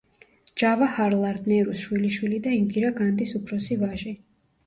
ჯავაჰარლალ ნერუს შვილიშვილი და ინდირა განდის უფროსი ვაჟი.